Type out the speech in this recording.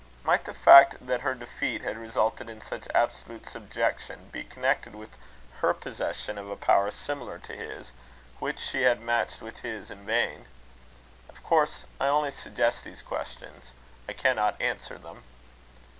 Might the fact that her defeat had resulted in such absolute subjection, be connected with her possession of a power similar to his, which she had matched with his in vain? Of course I only suggest these questions. I cannot answer them.